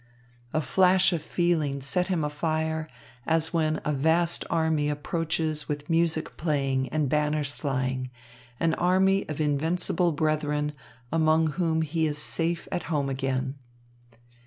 A flash of feeling set him afire, as when a vast army approaches with music playing and banners flying, an army of invincible brethren, among whom he is safe at home again.